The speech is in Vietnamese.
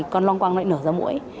con long quăng lại nở ra mũi